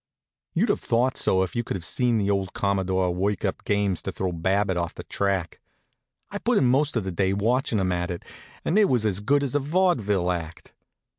You'd have thought so if you could have seen the old Commodore work up games to throw Babbitt off the track. I put in most of the day watchin' 'em at it, and it was as good as a vaudeville act.